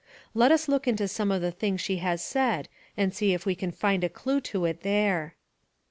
Let us look into some of the things she has said and see if we can find a clew to it there.